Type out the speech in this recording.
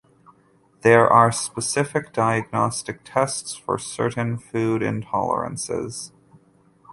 There are specific diagnostic tests for certain food intolerances.